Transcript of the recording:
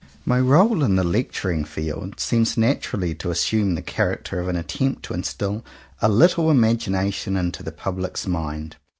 My role in the lecturing field seems natur ally to assume the character of an attempt to instill a little imagination into the public's mind.